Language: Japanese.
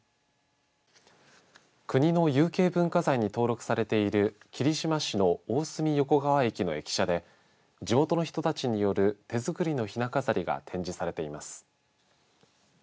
国の有形文化財に登録されている霧島市の大隅横川駅の駅舎で地元の人たちによる手作りのひな飾りが展示されています。